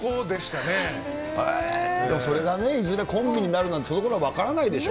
へー、それがね、いずれコンビになるなんて、そのころは分からないでしょ。